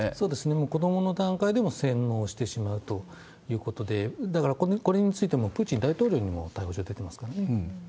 もう子どもの段階でも洗脳してしまうということで、だからこれについても、プーチン大統領にも逮捕状出てますからね。